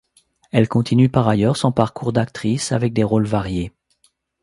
Elle continue par ailleurs son parcours d'actrice, avec des rôles variés.